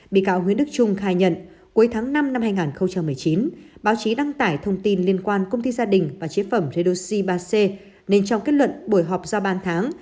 bị cáo nguyễn đức trung khai nhận cuối tháng năm năm hai nghìn một mươi chín báo chí đăng tải thông tin liên quan công ty gia đình và chế phẩm jedoxi ba c nên trong kết luận buổi họp do ban tháng